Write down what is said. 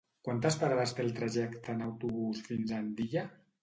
Quantes parades té el trajecte en autobús fins a Andilla?